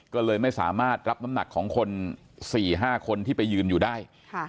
ก็เลยไม่สามารถรับน้ำหนักของคน๔๕คนที่ไปยืนอยู่ได้